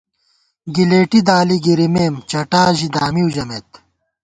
گلېٹی دالی گِرِمېم ، چٹا ژی دامِؤ ژَمېت